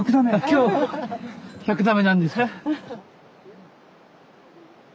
今日１００座目なんですよ。